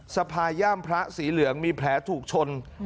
สภาย่ามพระสีเหลืองมีแผลถูกชน